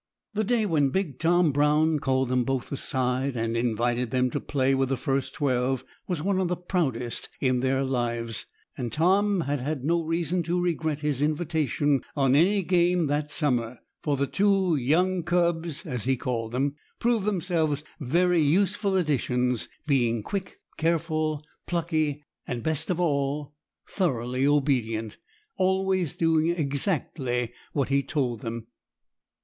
The day when big Tom Brown called them both aside and invited them to play with the first twelve was one of the proudest in their lives; and Tom had had no reason to regret his invitation on any game that summer, for the two "young cubs," as he called them, proved themselves very useful additions, being quick, careful, plucky, and, best of all, thoroughly obedient, always doing exactly what he told them.